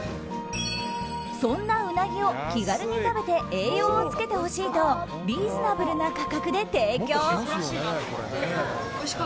そんなうなぎを気軽に食べて栄養をつけてほしいとリーズナブルな価格で提供。